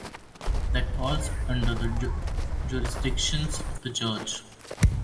That falls under the jurisdiction of the church.